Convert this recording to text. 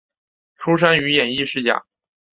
出身于演艺世家。